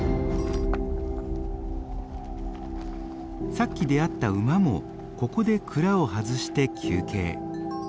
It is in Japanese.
さっき出会った馬もここで鞍を外して休憩。